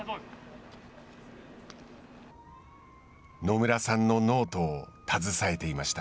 野村さんのノートを携えていました。